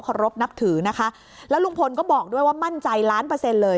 รบนับถือนะคะแล้วลุงพลก็บอกด้วยว่ามั่นใจล้านเปอร์เซ็นต์เลย